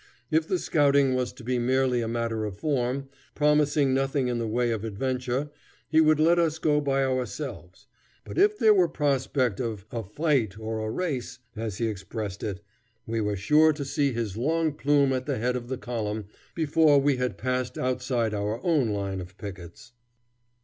If the scouting was to be merely a matter of form, promising nothing in the way of adventure, he would let us go by ourselves; but if there were prospect of "a fight or a race," as he expressed it, we were sure to see his long plume at the head of the column before we had passed outside our own line of pickets.